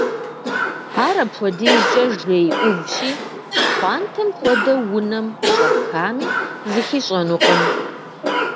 Ар апхуэдизкӏэ жей ӏувщи, пхъуантэм хуэдэу унэм къыщӏэпхами, зыхищӏэнукъым.